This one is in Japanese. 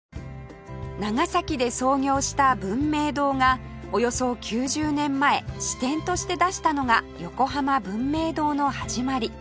長崎で創業した文明堂がおよそ９０年前支店として出したのが横濱文明堂の始まり